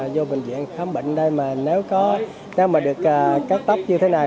vô bệnh viện khám bệnh nếu mà được cắt tóc như thế này